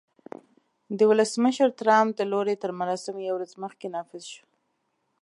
د ولسمشر ټرمپ د لوړې تر مراسمو یوه ورځ مخکې نافذ شو